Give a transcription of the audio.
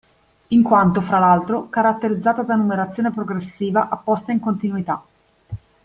In quanto (fra l’altro) caratterizzata da numerazione progressiva apposta in continuità